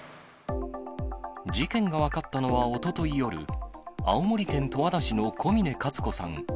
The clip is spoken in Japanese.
事件が分かったのはおととい夜、青森県十和田市の小峰勝子さん